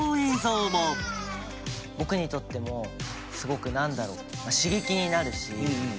僕にとってもすごくなんだろう刺激になるし。